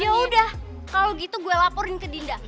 yaudah kalau gitu gue laporin ke dinda